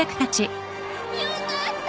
よかった。